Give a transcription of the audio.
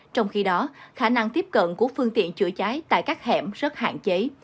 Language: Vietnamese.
trong khi đó khả năng tiếp cận của phương tiện chữa cháy tại các hẻm rất hạn chế